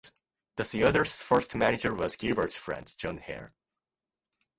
The theatre's first manager was Gilbert's friend John Hare.